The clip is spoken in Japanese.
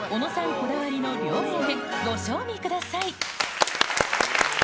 こだわりの両栄麺、ご賞味ください。